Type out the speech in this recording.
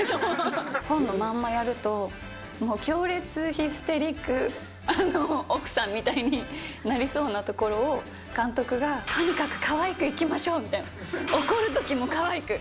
本のまんまやると、もう強烈ヒステリック奥さんみたいになりそうなところを、監督が、とにかくかわいくいきましょうみたいな、怒るときもかわいく！